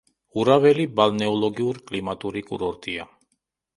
ურაველი ბალნეოლოგიურ-კლიმატური კურორტია.